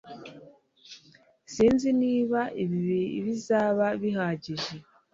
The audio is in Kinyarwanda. Sinzi niba ibi bizaba bihagije